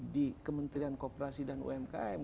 di kementrian koperasi dan umkm